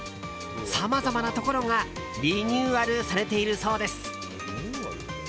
さまざまなところがリニューアルされているそうです。